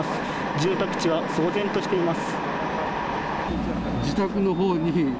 住宅地は騒然としています。